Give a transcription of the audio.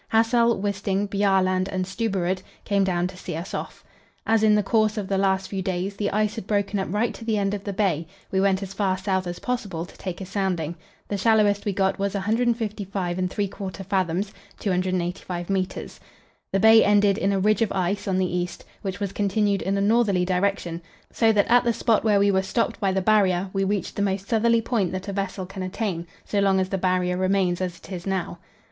Hassel, Wisting, Bjaaland, and Stubberud came down to see us off. As in the course of the last few days the ice had broken up right to the end of the bay, we went as far south as possible to take a sounding; the shallowest we got was 155 3/4 fathoms (285 metres). The bay ended in a ridge of ice on the east, which was continued in a northerly direction, so that at the spot where we were stopped by the Barrier, we reached the most southerly point that a vessel can attain, so long as the Barrier remains as it is now.